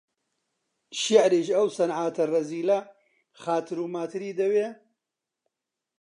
شیعریش، ئەو سنعاتە ڕەزیلە خاتر و ماتری دەوێ؟